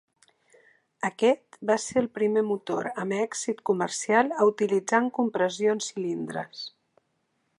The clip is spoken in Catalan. Aquest va ser el primer motor amb èxit comercial a utilitzar en compressió en cilindres.